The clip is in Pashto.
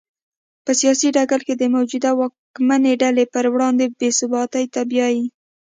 په سیاسي ډګر کې د موجودې واکمنې ډلې پر وړاندې بې ثباتۍ ته بیايي.